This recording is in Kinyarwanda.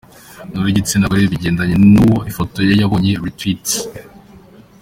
n’uw’igitsina gore, bigendanye n’uwo ifoto ye yabonye re-tweets